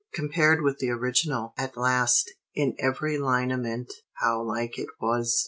Compared with the original, at last in every lineament how like it was!